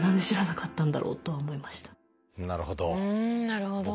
なるほど。